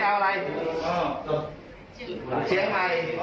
แอบต้องสี่คน